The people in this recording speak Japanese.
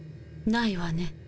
ないわね。